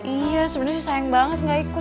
iya sebenernya sih sayang banget ngga ikut